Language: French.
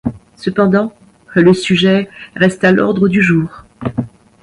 Cependant le sujet reste à l'ordre du jour.